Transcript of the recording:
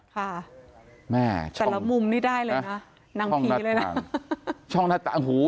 ค่ะแบลบมุมนี่ได้เลยนะนางผีเลยนะช่องนัดตามอ้าว